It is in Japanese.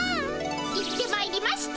行ってまいりました。